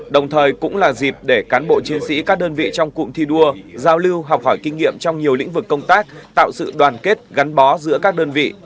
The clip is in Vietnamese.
đồng thời cũng là dịp để cán bộ chiến sĩ các đơn vị trong cụm thi đua giao lưu học hỏi kinh nghiệm trong nhiều lĩnh vực công tác tạo sự đoàn kết gắn bó giữa các đơn vị